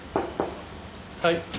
はい。